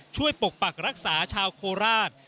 ช่วยปกปรักรักษาชาวโคราช